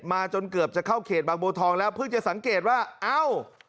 จนเกือบจะเข้าเขตบางบัวทองแล้วเพิ่งจะสังเกตว่าเอ้า